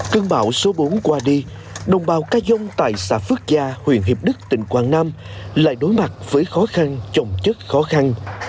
cơn bão số bốn qua đi đồng bào ca dung tại xã phước gia huyện hiệp đức tỉnh quảng nam lại đối mặt với khó khăn trồng chất khó khăn